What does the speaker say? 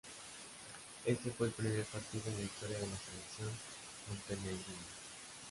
Ese fue el primer partido en la historia de la Selección montenegrina.